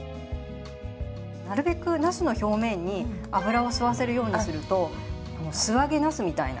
なるべくなすの表面に油を吸わせるようにすると素揚げなすみたいな。